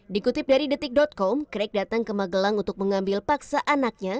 dikutip dari detik com crake datang ke magelang untuk mengambil paksa anaknya